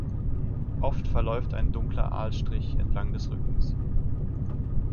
Oft verläuft ein dunkler Aalstrich entlang des Rückens.